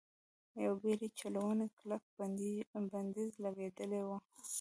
پر بېړۍ چلونې کلک بندیز لګېدلی و.